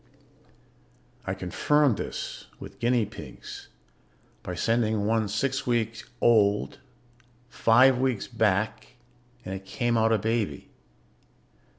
"I confirmed this with guinea pigs by sending one six weeks old five weeks back and it came out a baby.